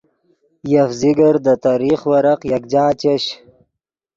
یف ذکر دے تریخ ورق یکجا چش